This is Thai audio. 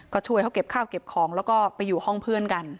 ก็ช่วยเขาเก็บข้าวเก็บของแล้วก็ไปอยู่ห้องเพื่อนกัน